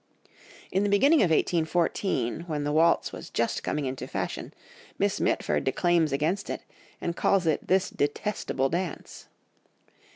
In the beginning of 1814, when the waltz was just coming into fashion, Miss Mitford declaims against it, and calls it this "detestable dance."